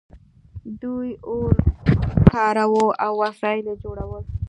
دوی اور کاراوه او وسایل یې جوړول.